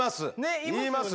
言います。